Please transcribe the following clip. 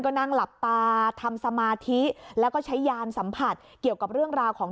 ก็นั่งหลับตาทำสมาธิแล้วก็ใช้ยานสัมผัสเกี่ยวกับเรื่องราวของ